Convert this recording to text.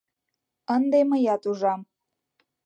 — Ынде мыят ужам...